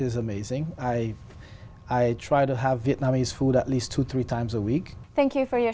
vậy anh có thể hát một bài hát không